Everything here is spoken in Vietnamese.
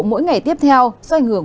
mỗi ngày tiếp theo do ảnh hưởng